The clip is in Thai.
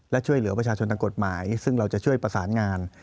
และช่วยเหลือประชาชนทางกฎหมายซึ่งเราจะช่วยประสานงาน